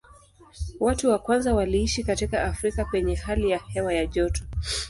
Watu wa kwanza waliishi katika Afrika penye hali ya hewa ya joto.